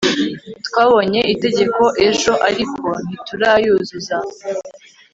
twabonye itegeko ejo, ariko ntiturayuzuza